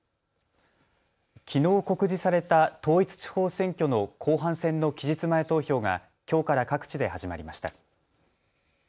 きのう告示された統一地方選挙の後半戦の期日前投票がきょうから各地で始まりました。